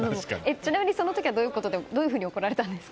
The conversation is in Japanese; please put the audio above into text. ちなみにその時はどういうふうに怒られたんですか。